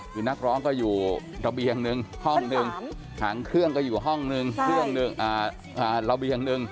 คือนักร้องก็อยู่ระเบียงหนึ่งห้องหนึ่งหางเครื่องก็อยู่ห้องนึงเครื่องหนึ่งระเบียงหนึ่ง